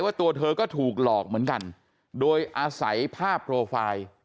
ตัวเธอก็ถูกหลอกเหมือนกันโดยอาศัยภาพโปรไฟล์